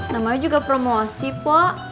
namanya juga promosi pok